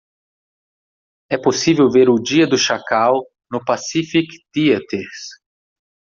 É possível ver O Dia do Chacal no Pacific Theatres